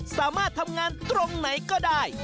สามารถทำงานตรงไหนก็ได้